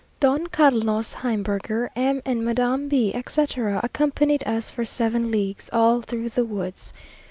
Don Carlos Heimburger, M. and Madame B , etc., accompanied us for seven leagues, all through the woods.